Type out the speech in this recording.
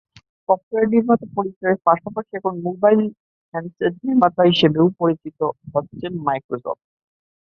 Software নির্মাতা পরিচয়ের পাশাপাশি এখন মোবাইল হ্যান্ডসেট নির্মাতা হিসেবেও পরিচিত হচ্ছে মাইক্রোসফট।